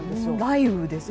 雷雨ですか？